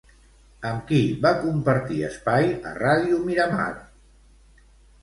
Amb qui va compartir espai a Ràdio Miramar?